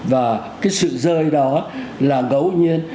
và cái sự rơi đó là ngẫu nhiên